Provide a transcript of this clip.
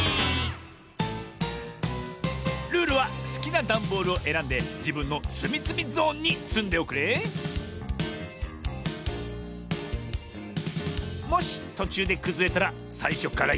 ルールはすきなダンボールをえらんでじぶんのつみつみゾーンにつんでおくれもしとちゅうでくずれたらさいしょからやりなおし。